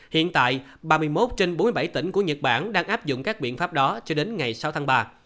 hiện tại ba mươi một trên bốn mươi bảy tỉnh của nhật bản đang áp dụng các biện pháp đó cho đến ngày sáu tháng ba